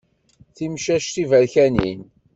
Timcac tiberkanin.